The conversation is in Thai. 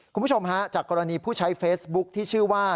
คุณผู้ชมฮะจากกรณีผู้ใช้เฟซบุ๊คที่ชื่อว่า